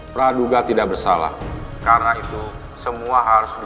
praduga tidak bersalah karena itu semua harus diselidiki dan